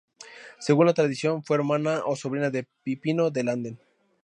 Según la tradición, fue hermana o sobrina de Pipino de Landen.